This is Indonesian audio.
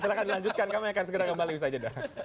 silahkan dilanjutkan kami akan segera kembali saja